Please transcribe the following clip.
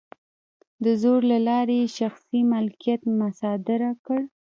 د زور له لارې یې شخصي مالکیت مصادره کړ.